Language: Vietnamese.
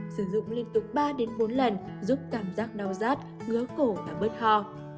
sử dụng liên tục ba bốn lần giúp cảm giác đau rát ngứa cổ và bớt ho